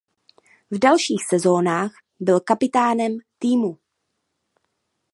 V dalších sezónách byl kapitánem týmu.